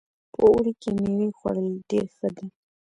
په اوړي کې میوې خوړل ډېر ښه ده